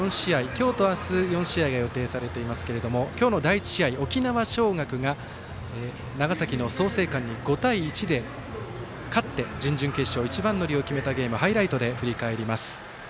今日と明日４試合が予定されていますが今日の第１試合、沖縄尚学が長崎の創成館に５対１で勝って準々決勝一番乗りを決めたゲームハイライトで振り返ります。